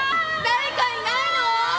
「誰かいないの！？」。